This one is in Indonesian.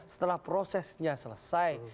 setelah prosesnya selesai